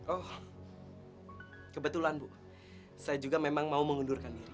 oh kebetulan bu saya juga memang mau mengundurkan diri